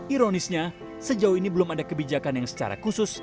ironisnya sejauh ini belum ada kebijakan yang secara khusus